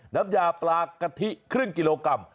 น้ำยาปลากะทิครึ่งกิโลกรัม